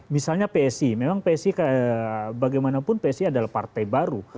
misalnya psi memang psi bagaimanapun psi adalah partai baru